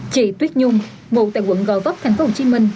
chị tuyết nhung ngụ tại quận gò vấp tp hcm